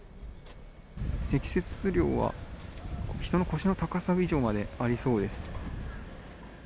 積雪量は人の腰の高さ以上までありそうです。